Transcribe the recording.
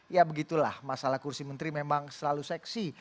ya begitulah masalah kursi menteri memang selalu seksi